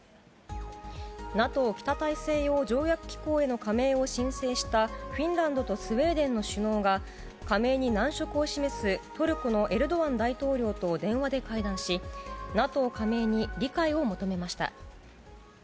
ＮＡＴＯ・北大西洋条約機構への加盟を申請した、フィンランドとスウェーデンの首脳が、加盟に難色を示すトルコのエルドアン大統領と電話で会談し、ＮＡＴＯ加盟に理解を求めました。